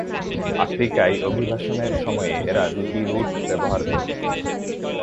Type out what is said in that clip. আফ্রিকায় অভিবাসনের সময়ে এরা দুটি রুট ব্যবহার করে।